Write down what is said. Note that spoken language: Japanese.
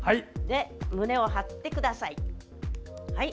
胸を張ってください。